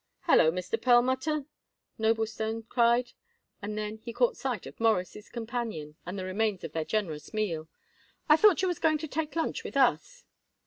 "Hallo, Mr. Perlmutter," Noblestone cried, and then he caught sight of Morris' companion and the remains of their generous meal. "I thought you was going to take lunch with us."